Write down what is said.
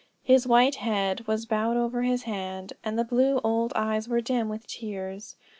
His white head was bowed over his hand, and the blue old eyes were dim with tears.